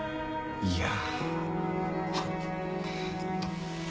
いや。